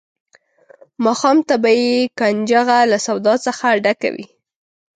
ماښام ته به یې کنجغه له سودا څخه ډکه وه.